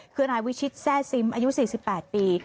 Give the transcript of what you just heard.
คือนายวิชิตแทร่ซิมอายุ๔๘ปี